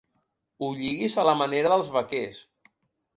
Ho lliguis a la manera dels vaquers.